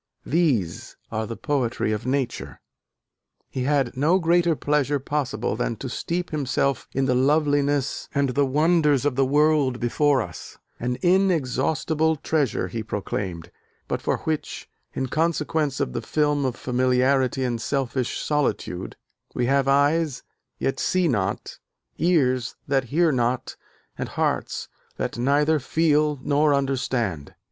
These are the poetry of nature." He had no greater pleasure possible than to steep himself in "the loveliness and the wonders of the world before us: an inexhaustible treasure," he proclaimed, "but for which, in consequence of the film of familiarity and selfish solitude, we have eyes, yet see not, ears that hear not and hearts that neither feel nor understand."